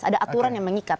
ada aturan yang mengikat